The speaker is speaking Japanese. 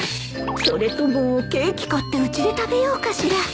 それともケーキ買ってうちで食べようかしら